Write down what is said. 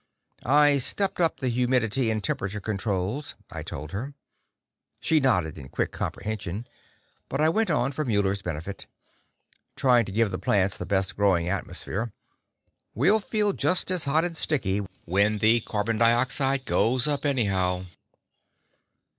"I stepped up the humidity and temperature controls," I told her. She nodded in quick comprehension, but I went on for Muller's benefit. "Trying to give the plants the best growing atmosphere. We'll feel just as hot and sticky when the carbon dioxide goes up, anyhow."